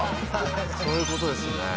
そういうことですね。